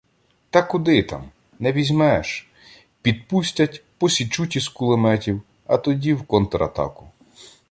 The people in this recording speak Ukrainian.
Так куди там?! Не візьмеш! Підпустять, посічуть із кулеметів, а тоді — в контратаку.